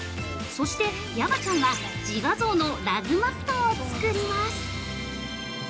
そして、山ちゃんは自画像のラグマットを作ります。